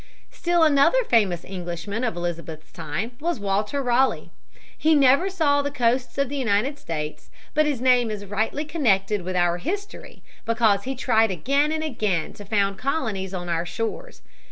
Still another famous Englishman of Elizabeth's time was Walter Ralegh. He never saw the coasts of the United States, but his name is rightly connected with our history, because he tried again and again to found colonies on our shores.